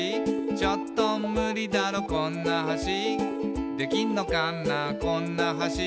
「ちょっとムリだろこんな橋」「できんのかなこんな橋」